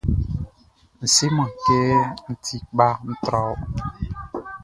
N seman kɛ n ti kpa tra wɔ.